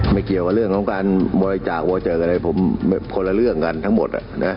เกี่ยวกับเรื่องของการบริจาควอเจิกอะไรผมคนละเรื่องกันทั้งหมด